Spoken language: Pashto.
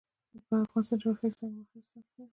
د افغانستان جغرافیه کې سنگ مرمر ستر اهمیت لري.